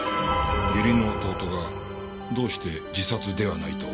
義理の弟がどうして自殺ではないと？